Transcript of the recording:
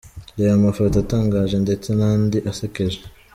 Reba amafoto atangaje ndetse n’andi asekeje.